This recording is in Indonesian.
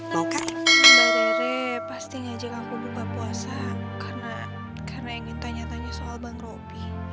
mau kak mbak dere pasti ngajak aku buka puasa karena ingin tanya tanya soal bang robi